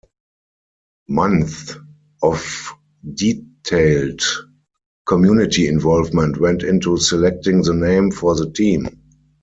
Months of detailed community involvement went into selecting the name for the team.